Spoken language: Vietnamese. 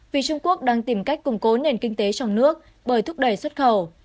vì trung quốc đang tìm cách củng cố nền kinh tế trong nước bởi thúc đẩy xuất khẩu